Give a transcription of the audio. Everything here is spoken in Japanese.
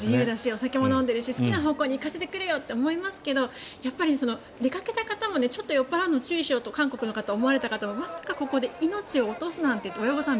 お酒も飲んでるし自由だし好きな方向に行かせてくれよって思いますけど出かけた方も酔っ払うのを注意しようと韓国の方も思われた方もまさかここで命を落とすなんてって親御さん